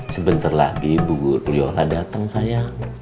sebentar lagi bu guriola datang sayang